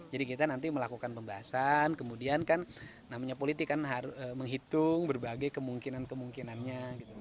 jadi kita nanti melakukan pembahasan kemudian kan namanya politik kan menghitung berbagai kemungkinan kemungkinannya